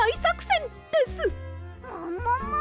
ももも！